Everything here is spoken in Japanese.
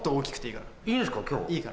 いいんですか？